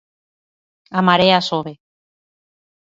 A Marea sobe.